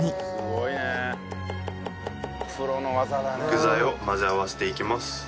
具材を混ぜ合わせていきます。